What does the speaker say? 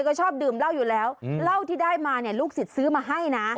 ก็ชอบดื่มเหล้าอยู่แล้วเหล้าที่ได้มาเนี่ยลูกศิษย์ซื้อมาให้นะ